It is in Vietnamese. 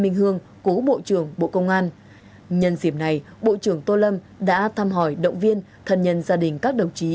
nhân diệp này bộ trưởng tô lâm đã tham hỏi động viên thân nhân gia đình các đồng chí